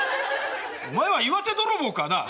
お前は岩手泥棒かなあ。